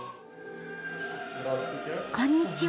こんにちは！